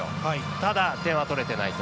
ただ点は取れてないと。